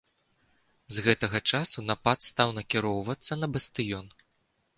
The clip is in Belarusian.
З гэтага часу напад стаў накіроўвацца на бастыён.